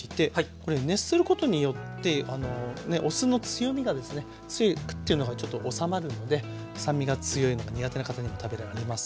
これ熱することによってお酢の強みがですね強いクッていうのがちょっと収まるので酸味が強いのが苦手な方にも食べられますし。